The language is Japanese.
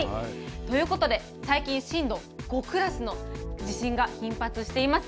ということで、最近、震度５クラスの地震が頻発しています。